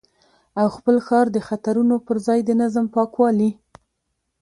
او خپل ښار د خطرونو پر ځای د نظم، پاکوالي